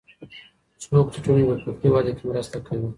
څوک د ټولني په فکري وده کي مرسته کوي؟